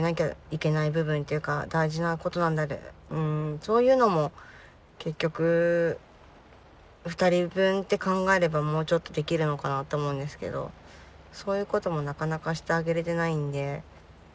そういうのも結局２人分って考えればもうちょっとできるのかなって思うんですけどそういうこともなかなかしてあげれてないんで。